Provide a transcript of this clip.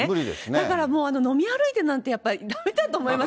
だから飲み歩いてなんて、やっぱりだめだと思います。